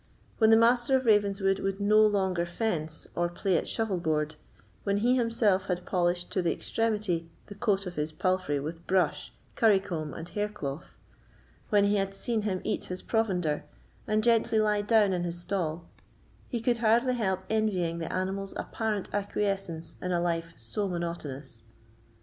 When the Master of Ravenswood would no longer fence or play at shovel board; when he himself had polished to the extremity the coat of his palfrey with brush, curry comb, and hair cloth; when he had seen him eat his provender, and gently lie down in his stall, he could hardly help envying the animal's apparent acquiescence in a life so monotonous.